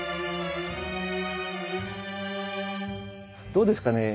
どうですかね？